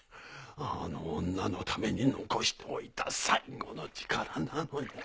あの女のために残しておいた最後の力なのに。